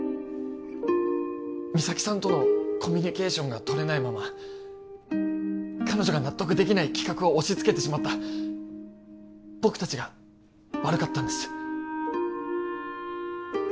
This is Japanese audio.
三咲さんとのコミュニケーションが取れないまま彼女が納得できない企画を押しつけてしまった僕達が悪かったんです